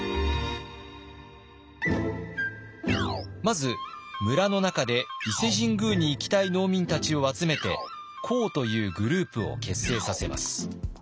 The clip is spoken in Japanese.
まず村の中で伊勢神宮に行きたい農民たちを集めて講というグループを結成させます。